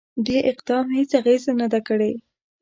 دې اقدام هیڅ اغېزه نه ده کړې.